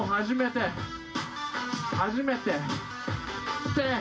初めて初めて手！